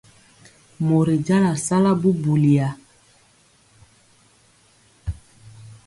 Mori jala sala bubuliya.